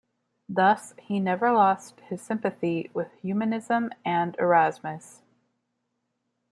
Thus he never lost his sympathy with humanism and Erasmus.